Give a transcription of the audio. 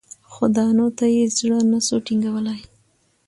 خو دانو ته یې زړه نه سو ټینګولای